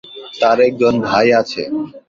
তার একজন ভাই আছে।